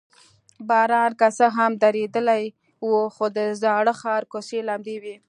باران که څه هم درېدلی و، خو د زاړه ښار کوڅې لمدې وې.